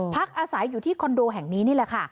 พักอาศัยอยู่ที่คอนโดแห่งนี้นี่แหละค่ะ